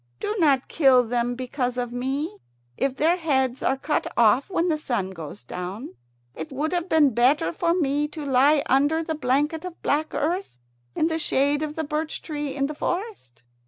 Do not kill them because of me. If their heads are cut off when the sun goes down, it would have been better for me to lie under the blanket of black earth in the shade of the birch tree in the forest."